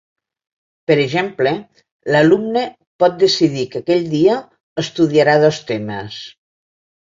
Per exemple, l’alumne pot decidir que aquell dia estudiarà dos temes.